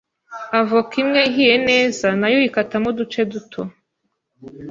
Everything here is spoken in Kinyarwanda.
avoka imwe ihiye neza na yo uyikatamo uduce duto,